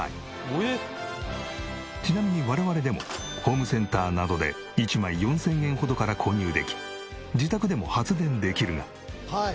ちなみに我々でもホームセンターなどで１枚４０００円ほどから購入でき自宅でも発電できるが。